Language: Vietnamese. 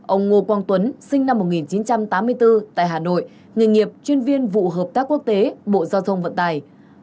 ông ngô quang tuấn sinh năm một nghìn chín trăm tám mươi bốn tại hà nội nghề nghiệp chuyên viên vụ hợp tác quốc tế bộ giao thông vận tài